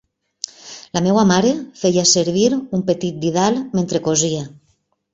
La meva mare feia servir un petit didal mentre cosia.